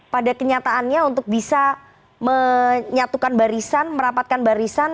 pada kenyataannya untuk bisa menyatukan barisan merapatkan barisan